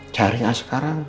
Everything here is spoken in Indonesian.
cari a sekarang